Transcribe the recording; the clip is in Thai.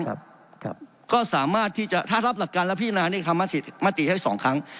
ครับครับก็สามารถที่จะถ้ารับหลักการแล้วพี่นาเนี่ยทำลัมติให้สองครั้ง